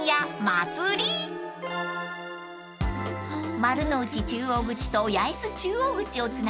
［丸の内中央口と八重洲中央口をつなぐ